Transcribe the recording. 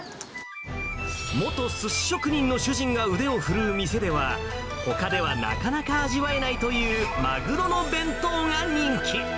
元すし職人の主人が腕を振るう店では、ほかではなかなか味わえないという、マグロの弁当が人気。